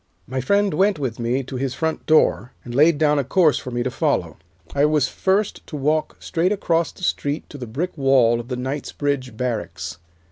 "My friend went with me to his front door, and laid down a course for me to follow. I was first to walk straight across the street to the brick wall of the Knightsbridge Barracks.